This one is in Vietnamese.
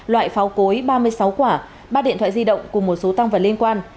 loại pháo cối ba mươi sáu quả ba điện thoại di động cùng một số tăng vật liên quan